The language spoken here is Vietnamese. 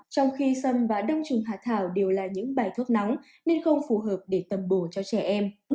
trong khi sâm và đông trùng hạ thảo đều là những bài thuốc nóng nên không phù hợp để tầm bổ cho trẻ em